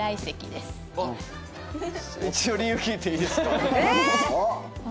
一応理由聞いていいですか？